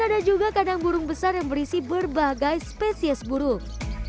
ada juga kandang burung besar yang berisi berbagai spesies burung